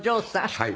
はい。